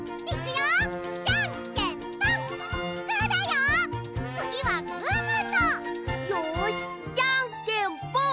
よしじゃんけんぽん！